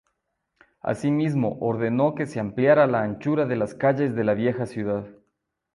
Asimismo ordeno que se ampliara la anchura de las calles de la vieja ciudad.